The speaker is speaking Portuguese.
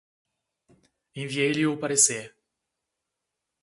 Enviei-lhe o parecer